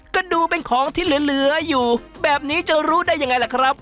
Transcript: ก็ดูเป็นของที่เหลืออยู่แบบนี้จะรู้ได้ยังไงล่ะครับ